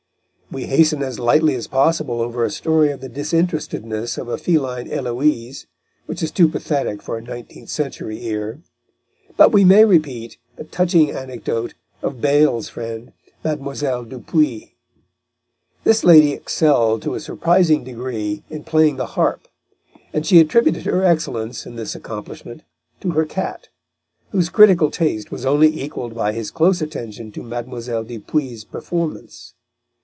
We hasten as lightly as possible over a story of the disinterestedness of a feline Heloise, which is too pathetic for a nineteenth century ear. But we may repeat the touching anecdote of Bayle's friend, Mlle. Dupuy. This lady excelled to a surprising degree in playing the harp, and she attributed her excellence in this accomplishment to her cat, whose critical taste was only equalled by his close attention to Mlle. Dupuy's performance.